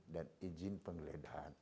dan izin penggeledahan